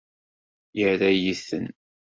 Yerra-yi-ten.